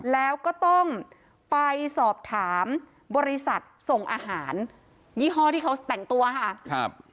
แล้วก็ต้องไปสอบถามบริษัทส่งอาหารยี่ห้อที่เขาแต่งตัวค่ะ